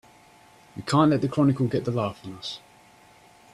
We can't let the Chronicle get the laugh on us!